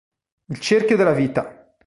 Il cerchio della vita